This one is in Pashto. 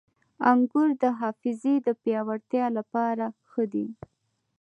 • انګور د حافظې د پیاوړتیا لپاره ښه دي.